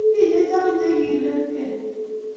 Mi chechang' che kenetikey